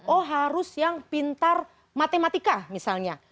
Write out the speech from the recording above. oh harus yang pintar matematika misalnya